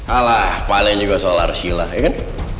alah paling juga soal arsila ya kan